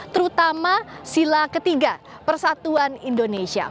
terutama sila ketiga persatuan indonesia